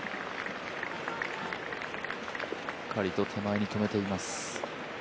しっかりと手前に止めています。